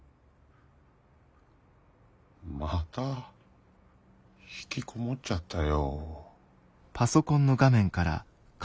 またひきこもっちゃったよ。